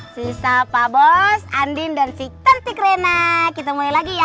sisa pak bos andien dan sigtan tikrena kita mulai lagi ya